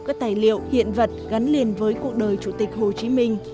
các tài liệu hiện vật gắn liền với cuộc đời chủ tịch hồ chí minh